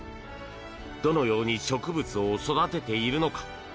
どのように植物を育てているのか。